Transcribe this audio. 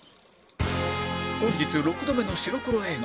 本日６度目の白黒映画